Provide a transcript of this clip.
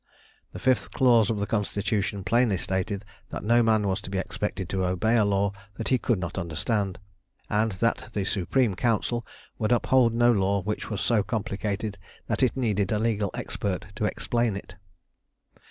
The fifth clause of the Constitution plainly stated that no man was to be expected to obey a law that he could not understand, and that the Supreme Council would uphold no law which was so complicated that it needed a legal expert to explain it.